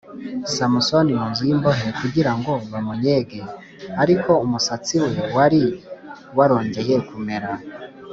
Samusoni mu nzu y imbohe kugira ngo bamunnyege Ariko umusatsi we wari warongeye kumera